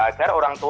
agar orang tua